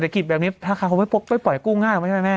เศรษฐกิจแบบนี้ฆ่าเขาไปปล่อยกลุ่มง่ายง่ายคือไหมแม่